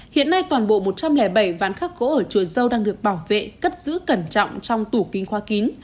hiện nay toàn bộ một trăm linh bảy ván khắc gỗ ở chùa dâu đang được bảo vệ cất giữ cẩn trọng trong tủ kính hoa kín